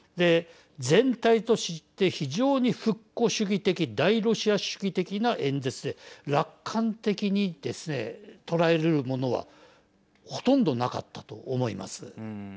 全体として、非常に復古主義的大ロシア主義的な演説で楽観的にですね捉えられるものはほとんどなかったと思います。